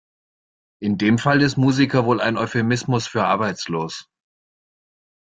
In dem Fall ist Musiker wohl ein Euphemismus für arbeitslos.